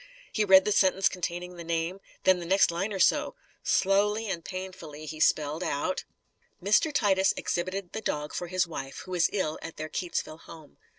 He read the sentence containing the name, then the next line or so. Slowly and painfully he spelled out: Mr. Titus exhibited the dog for his wife, who is ill at their Keytesville home.